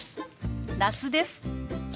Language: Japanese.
那須です。